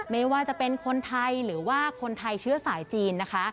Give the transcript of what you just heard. ไม่ว่าจะเป็นคนไทยหรือว่าคนไทยเชื้อสายจีนนะคะ